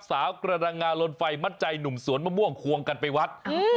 กระดังงาลนไฟมัดใจหนุ่มสวนมะม่วงควงกันไปวัด